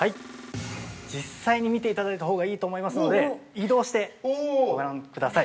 ◆実際に見ていただいたほうがいいと思いますので移動して、ご覧ください。